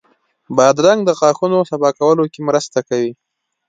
بادرنګ د غاښونو صفا کولو کې مرسته کوي.